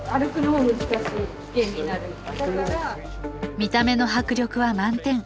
見た目の迫力は満点。